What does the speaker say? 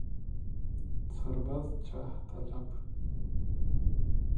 سرباز جاه طلب